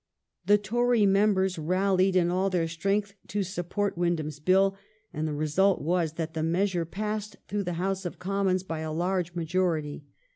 The Tory members raUied in all their strength to support Windham's Bill, and the result was that the measure passed through the House of Commons by a large majority.